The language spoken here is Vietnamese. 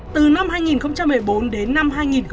từ năm hai nghìn một mươi bốn đến năm hai nghìn hai mươi một